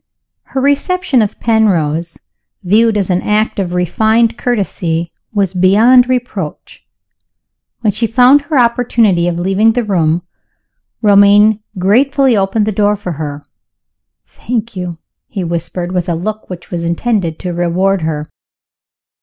Her reception of Penrose, viewed as an act of refined courtesy, was beyond reproach. When she found her opportunity of leaving the room, Romayne gratefully opened the door for her. "Thank you!" he whispered, with a look which was intended to reward her.